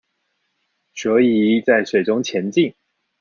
所以在水中前進